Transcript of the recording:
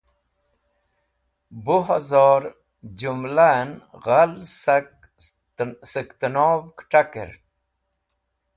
Bo hozor jũmlam ghal skẽ tẽnov kẽt̃akẽr